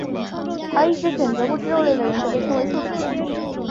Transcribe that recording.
而一些选择不吃肉类的人则被称为素食者。